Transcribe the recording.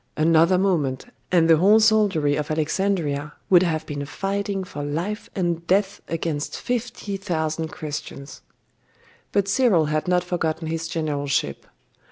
Another moment, and the whole soldiery of Alexandria would have been fighting for life and death against fifty thousand Christians.... But Cyril had not forgotten his generalship.